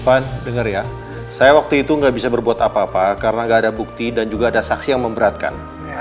van dengar ya saya waktu itu nggak bisa berbuat apa apa karena nggak ada bukti dan juga ada saksi yang memberatkan